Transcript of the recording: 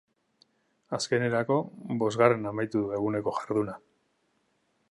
Azkenerako, bosgarren amaitu du eguneko jarduna.